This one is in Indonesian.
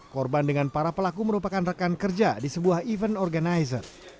korban dengan para pelaku merupakan rekan kerja di sebuah event organizer